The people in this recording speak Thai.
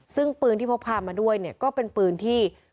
ซึ่งปืนที่พกพามาด้วยเนี่ยก็เป็นปืนที่